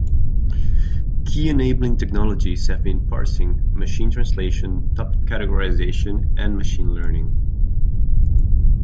Key enabling technologies have been parsing, machine translation, topic categorization, and machine learning.